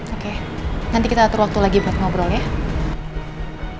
oke nanti kita atur waktu lagi buat ngobrol ya